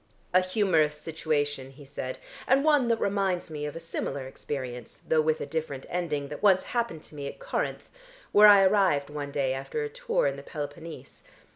"A humorous situation," he said, "and one that reminds me of a similar experience, though with a different ending, that once happened to me at Corinth, where I arrived one day after a tour in the Peloponnese.